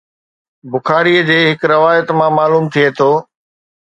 بخاري جي هڪ روايت مان معلوم ٿئي ٿو